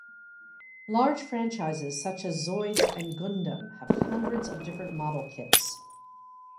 Large franchises such as Zoids and Gundam have hundreds of different model kits.